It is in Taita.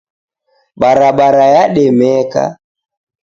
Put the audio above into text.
Barabara yedemeka.